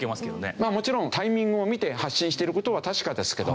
まあもちろんタイミングを見て発信してる事は確かですけど。